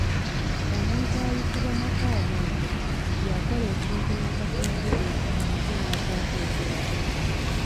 Omuntu ayitibwa Makaabugo y'akola ekintu n’atakimaliriza ate n’akwata ekirala.